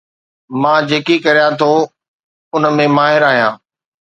مان جيڪي ڪريان ٿو ان ۾ ماهر آهيان